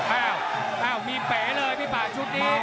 อ้าวอ้าวมีเป๋เลยพี่ป่าชุดนี้